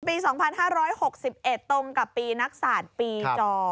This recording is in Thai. ปี๒๕๖๑ตรงกับปีนักศาสตร์ปีจอ